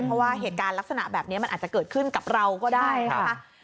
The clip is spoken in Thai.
เพราะว่าเหตุการณ์ลักษณะแบบนี้มันอาจจะเกิดขึ้นกับเราก็ได้นะคะ